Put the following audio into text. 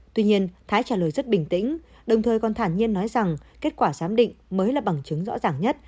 tuy nhiên thái trả lời rất bình tĩnh đồng thời còn thản nhiên nói rằng kết quả giám định mới là bằng chứng rõ ràng nhất